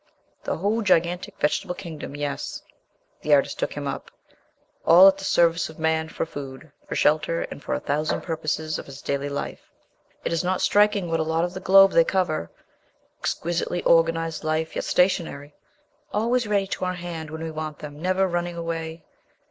"The whole gigantic vegetable kingdom, yes," the artist took him up, "all at the service of man, for food, for shelter and for a thousand purposes of his daily life. Is it not striking what a lot of the globe they cover ... exquisitely organized life, yet stationary, always ready to our had when we want them, never running away?